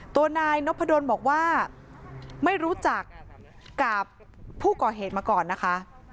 ตัวนายนพดลบอกว่าไม่รู้จักกับผู้ก่อเหตุมาก่อนนะคะ